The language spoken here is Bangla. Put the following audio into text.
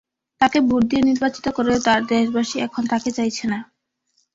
তাঁকে ভোট দিয়ে নির্বাচিত করেও তাঁর দেশবাসী এখন তাঁকে চাইছে না।